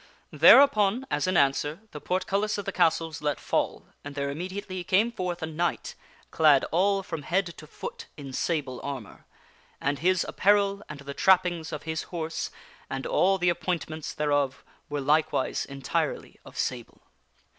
" Thereupon, as in answer, the portcullis of the castle was let fall, and there immediately came forth a knight, clad all from head to foot in sable armor. And his apparel and the trappings of his horse and all the ap pointments thereof were likewise entirely of sable.